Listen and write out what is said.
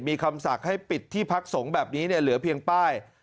มีคำสั่งให้ปิดที่พักสงฆ์แบบนี้เหลือเพียงป้าย